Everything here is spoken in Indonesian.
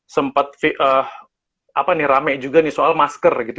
sempat rame juga nih soal masker gitu